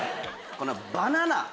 このバナナ